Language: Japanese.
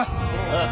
ああ。